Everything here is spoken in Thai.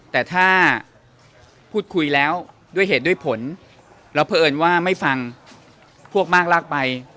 แต่ถ้าพูดคุยแล้วด้วยเหตุด้วยผลแล้วเพราะเอิญว่าไม่ฟังพวกมากลากไป